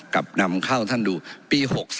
กลับนำเข้าท่านดูปี๖๓